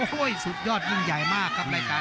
โหโหโหโหโหโหโหโหโห